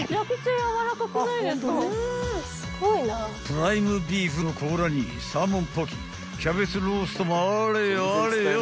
［プライムビーフのコーラ煮サーモンポキキャベツローストもあれよ